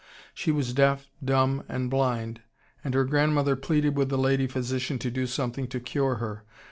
She was deaf, dumb, and blind, and her grandmother pleaded with the lady physician to do something to cure her.